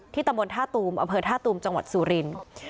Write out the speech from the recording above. ตำบลท่าตูมอำเภอท่าตูมจังหวัดสุรินทร์